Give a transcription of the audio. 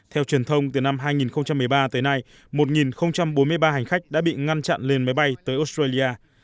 theo truyền thông từ năm hai nghìn một mươi ba tới nay một bốn mươi ba hành khách đã bị ngăn chặn lên máy bay tới australia